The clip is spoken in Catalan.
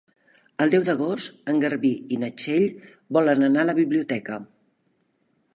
El deu d'agost en Garbí i na Txell volen anar a la biblioteca.